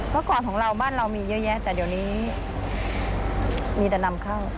เมื่อก่อนของเราบ้านเรามีเยอะแยะแต่เดี๋ยวนี้มีแต่นำเข้า